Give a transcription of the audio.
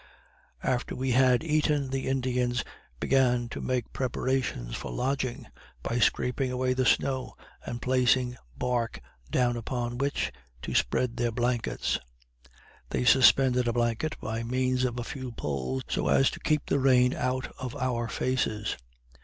After we had eaten, the Indians began to make preparations for lodging, by scraping away the snow and placing bark down upon which to spread their blankets; they suspended a blanket, by means of a few poles, so as to keep the rain out of our faces.